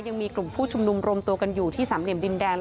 ยังมีกลุ่มผู้ชุมนุมรวมตัวกันอยู่ที่สามเหลี่ยมดินแดง